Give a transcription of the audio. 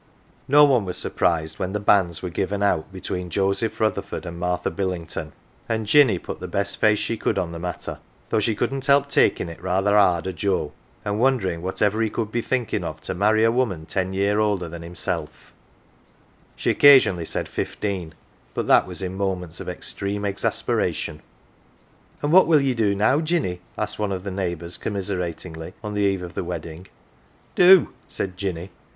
150 AUNT JINNY No one was surprised when the banns were given out between Joseph Rutherford and Martha Billington ; and Jinny put the best face she could on the matter, though she couldn't help takin' it rather 'ard o' Joe, and wondering whatever he could be thinkin' of to marry a woman ten year older than himself: she occasionally said fifteen, but that was in moments of extreme exasperation. "An" what will ye do now, Jinny?"" asked one of the neighbours commiseratingly on the eve of the wedding. " Do ?" said Jinny.